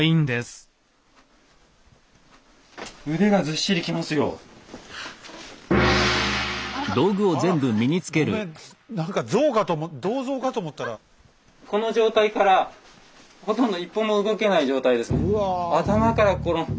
この状態からほとんど一歩も動けない状態ですね。